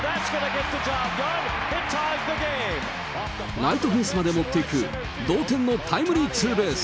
ライトフェンスまで持っていく同点のタイムリーツーベース。